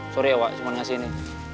sorry ya wak cuma ngasih ini